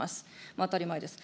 当たり前です。